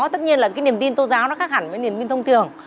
tất nhiên là cái niềm tin tôn giáo nó khác hẳn với niềm minh thông thường